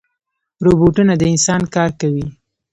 روبوټونه د انسان کار کوي